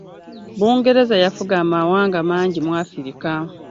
Bungereza yafuga amawanga mangi mu Africa.